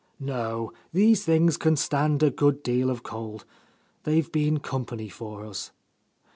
"No, these things can stand a good deal of cold. They've been company for us."